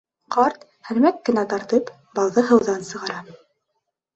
Ҡарт, һәлмәк кенә тартып, бауҙы һыуҙан сығара.